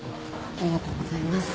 ありがとうございます。